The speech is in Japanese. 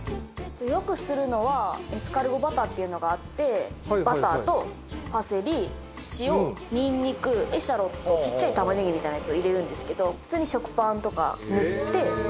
よくするのはエスカルゴバターっていうのがあってバターとパセリ塩ニンニクエシャロットちっちゃい玉ねぎみたいなやつを入れるんですけど普通に。